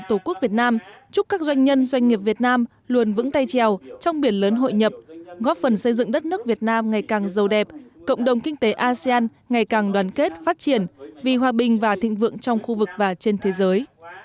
tổ quốc việt nam chúc các doanh nhân doanh nghiệp việt nam luôn vững tay trèo trong biển lớn hội nhập góp phần xây dựng đất nước việt nam ngày càng giàu đẹp cộng đồng kinh tế asean ngày càng đoàn kết phát triển vì hòa bình và thịnh vượng trong khu vực và trên thế giới